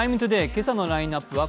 今朝のラインナップは